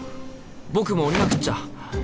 僕も降りなくっちゃ！